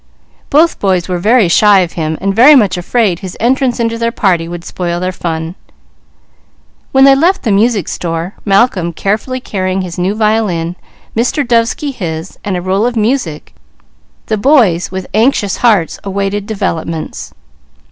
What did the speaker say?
Both boys were very shy of him and very much afraid his entrance into their party would spoil their fun. When they left the music store, Malcolm carefully carrying his new violin, Mr. Dovesky his, and a roll of music, the boys with anxious hearts awaited developments.